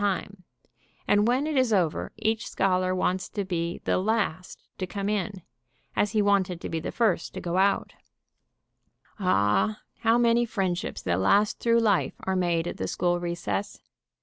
ABOLISHING THE SCHOOL RECESS 15 1 and when it is over each scholar wants to be the last to come in, as he wanted to be the first to go out. Ah, how many friendships that last through life are made at the school recess.